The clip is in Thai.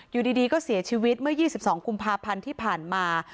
อยู่ดีก็เสียชีวิตเมื่อ๒๒กุมภาพันธ์ที่ผ่านมา